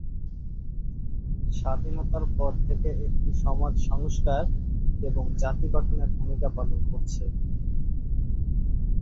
স্বাধীনতার পর থেকে এটি সমাজ সংস্কার এবং জাতি গঠনে ভূমিকা পালন করেছে।